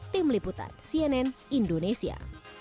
tim liputan cnn indonesia